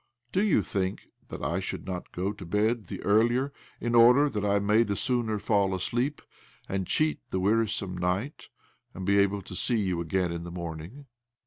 Do you think that I shall not go to bed the earlier in order that I may the sooner fall asleep, and cheat the wearisome night, and be able to see you again in the morning?"